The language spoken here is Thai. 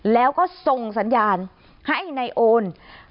แล้วก็ส่งสัญญาณให้นายโอน